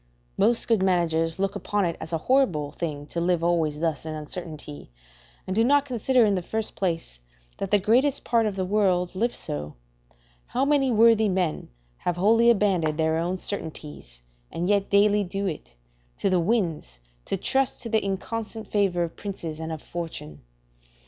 Most good managers look upon it as a horrible thing to live always thus in uncertainty, and do not consider, in the first place, that the greatest part of the world live so: how many worthy men have wholly abandoned their own certainties, and yet daily do it, to the winds, to trust to the inconstant favour of princes and of fortune?